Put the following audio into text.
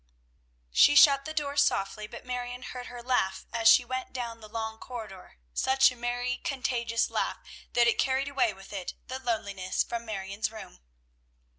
She shut the door softly, but Marion heard her laugh as she went down the long corridor, such a merry, contagious laugh, that it carried away with it the loneliness from Marion's room.